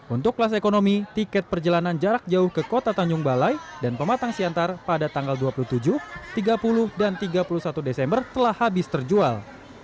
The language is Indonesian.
untuk kelas ekonomi tiket perjalanan jarak jauh ke kota tanjung balai dan pematang siantar pada tanggal dua puluh tujuh tiga puluh dan tiga puluh satu desember telah habis terjual